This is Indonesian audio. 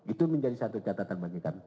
itu menjadi satu catatan bagi kami